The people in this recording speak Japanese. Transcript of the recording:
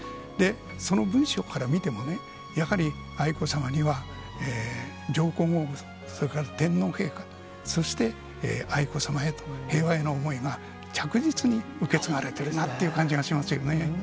その文章から見ても、やはり愛子さまには、上皇后、それから天皇陛下、そして愛子さまへと、平和への思いが、着実に受け継がれているなという感じがしますよね。